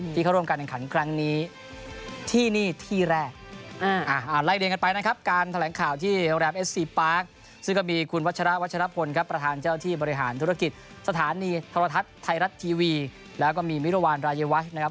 สถานีธรทัศน์ไทรัตทีวีแล้วก็มีมิรวรรณรายวัศน์นะครับ